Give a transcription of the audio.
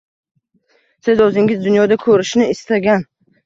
Siz o’zingiz dunyoda ko’rishni istagan